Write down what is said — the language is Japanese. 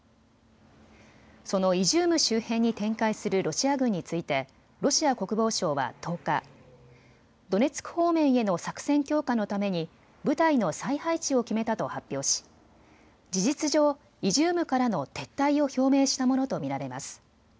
そのイジューム周辺に展開するロシア軍についてロシア国防省は１０日、ドネツク方面への作戦強化のために部隊の再配置を決めたと発表し、事実上、イジュームからの撤退を表明したものと見られます。